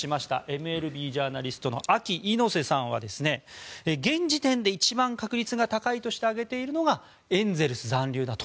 ＭＬＢジャーナリストのＡＫＩ猪瀬さんは現時点で一番確率が高いとして挙げているのがエンゼルス残留だと。